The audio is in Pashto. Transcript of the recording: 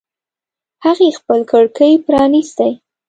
هغې خپلې کړکۍ پرانیستې